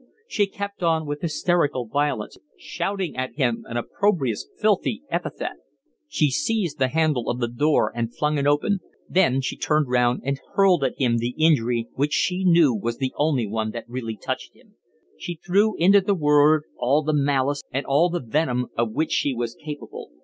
She kept on, with hysterical violence, shouting at him an opprobrious, filthy epithet. She seized the handle of the door and flung it open. Then she turned round and hurled at him the injury which she knew was the only one that really touched him. She threw into the word all the malice and all the venom of which she was capable.